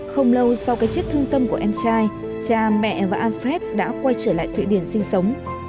không lâu sau cái chết thương tâm của em trai cha mẹ và alfred đã quay trở lại thụy điển sinh sống